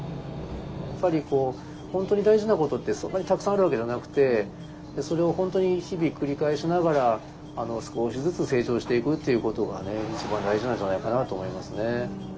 やっぱり本当に大事なことってそんなにたくさんあるわけじゃなくてそれを本当に日々繰り返しながら少しずつ成長していくっていうことが一番大事なんじゃないかなと思いますね。